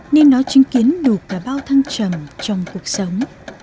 nên nó chứng kiến đủ cả bao thăng trầm trong cuộc sống